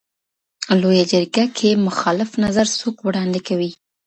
لویه جرګه کي مخالف نظر څوک وړاندي کوي؟